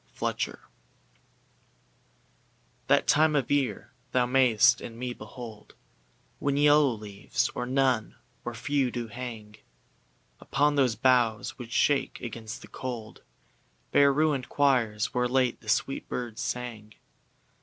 LXXIII That time of year thou mayst in me behold When yellow leaves, or none, or few, do hang Upon those boughs which shake against the cold, Bare ruinŌĆÖd choirs, where late the sweet birds sang.